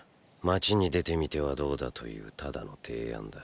街に出てみてはどうだというただの提案だ。